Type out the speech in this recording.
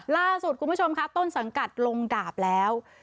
ล่าสุดคุณผู้ชมค่ะต้นสังกัดลงดาบแล้ว